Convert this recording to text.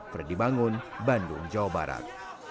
freddy bangun bandung jawa barat